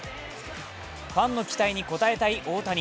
ファンの期待に応えたい大谷。